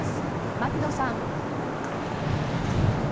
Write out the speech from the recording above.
牧野さん。